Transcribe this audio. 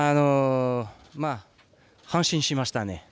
安心しましたね。